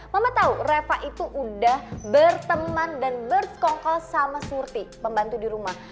mama tahu reva itu udah berteman dan berkongkol sama surti pembantu di rumah